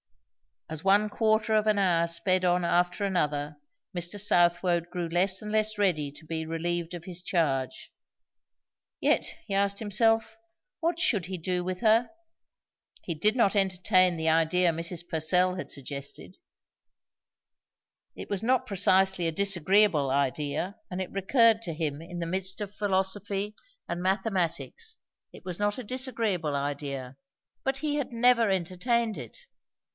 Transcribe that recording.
As one quarter of an hour sped on after another, Mr. Southwode grew less and less ready to be relieved of his charge. Yet, he asked himself, what should he do with her? He did not entertain the idea Mrs. Purcell had suggested; it was not precisely a disagreeable idea, and it recurred to him, in the midst of philosophy and mathematics; it was not a disagreeable idea, but he had never entertained it!